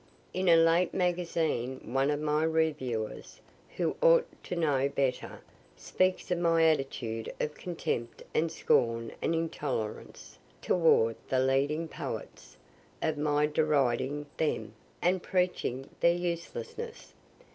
In a late magazine one of my reviewers, who ought to know better, speaks of my "attitude of contempt and scorn and intolerance" toward the leading poets of my "deriding" them, and preaching their "uselessness."